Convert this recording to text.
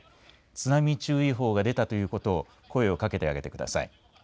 津波注意報が出たということを声をかけてあげてください。